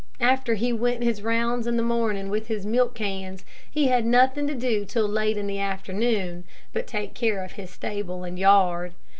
After he went his rounds in the morning with his milk cans, he had nothing to do till late in the afternoon but take care of his stable and yard.